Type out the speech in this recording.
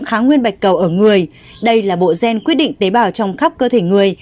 khá nguyên bạch cầu ở người đây là bộ gen quyết định tế bào trong khắp cơ thể người